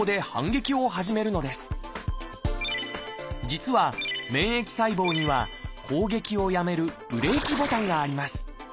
実は免疫細胞には攻撃をやめるブレーキボタンがあります。